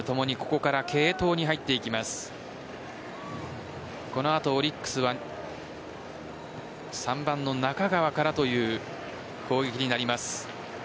この後、オリックスは３番の中川からという攻撃になります。